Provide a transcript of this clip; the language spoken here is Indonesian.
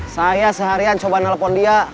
saya seharian coba nelpon dia